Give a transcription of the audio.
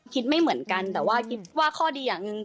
ไม่เหมือนกันแต่ว่าคิดว่าข้อดีอย่างหนึ่ง